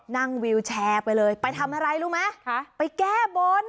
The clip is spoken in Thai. วิวแชร์ไปเลยไปทำอะไรรู้ไหมไปแก้บน